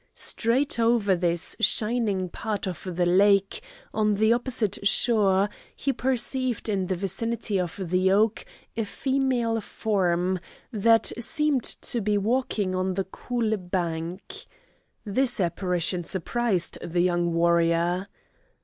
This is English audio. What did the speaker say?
Straight over this shining part of the lake, on the opposite shore, he perceived in the vicinity of the oak a female form, that seemed to be walking on the cool bank. This apparition surprised the young warrior.